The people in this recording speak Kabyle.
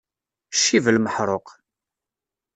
Ccib lmeḥṛuq!